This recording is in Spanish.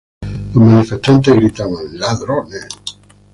Los manifestantes gritaban "¡Ladrones!